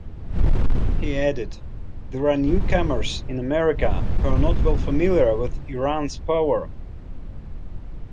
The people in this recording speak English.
He added: "There are newcomers in America who are not well familiar with Iran's power.